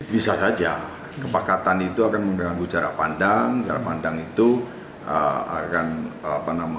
bisa saja kepekatan itu akan mengganggu jarak pandang jarak pandang itu akan apa namanya jarak pandang yang minimum pilot itu sesuai dengan sop juga